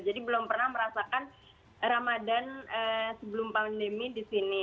jadi belum pernah merasakan ramadhan sebelum pandemi di sini